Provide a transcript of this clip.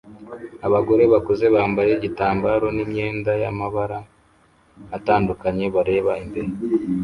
Abagore bakuze bambaye igitambaro n imyenda yamabara atandukanye bareba imbere